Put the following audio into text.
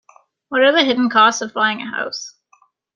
What are the hidden costs of buying a house?